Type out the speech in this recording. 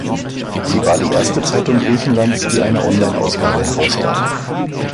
Sie war die erste Zeitung Griechenlands, die eine Online-Ausgabe herausgab.